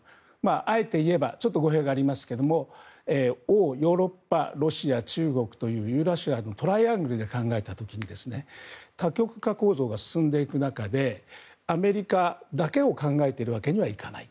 あえて言えばちょっと語弊がありますが欧、ヨーロッパロシア、中国というユーラシアのトライアングルで考えた時に多極化構造が進んでいく中でアメリカだけを考えているわけにはいかない。